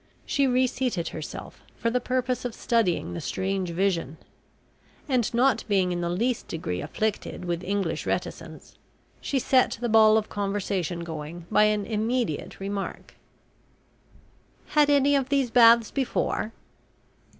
She re seated herself for the purpose of studying the strange vision, and, not being in the least degree afflicted with English reticence, she set the ball of conversation going by an immediate remark: "Had any of these baths before?"